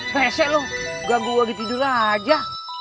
pesek lu ganggu gue ditidur aja